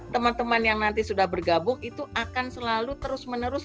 teman teman yang nanti sudah bergabung itu akan selalu terus menerus